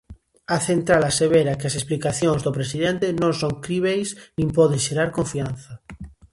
A central asevera que as explicacións do presidente non son críbeis nin poden xerar confianza.